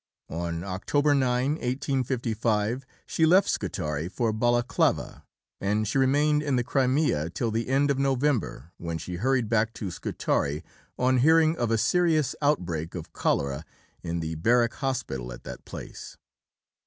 On October 9, 1855, she left Scutari for Balaclava, and she remained in the Crimea till the end of November, when she hurried back to Scutari on hearing of a serious outbreak of cholera in the Barrack Hospital at that place.